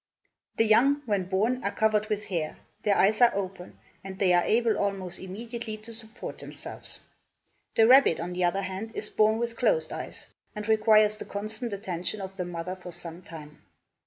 The young, when born, are covered with hair, their eyes are open, and they are able almost immediately to support themselves. The rabbit, on the other hand, is born with closed eyes, and requires the constant attention of the mother for some time.